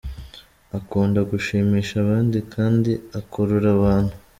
Akunda gushimisha abandi kandi akurura abantu.